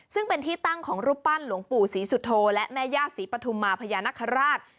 ซึ่งเป็นที่ตั้งของรูปปั้นหลวงปู่ศรีสุโธและแม่ย่าศรีปฐุมมาพญานคราช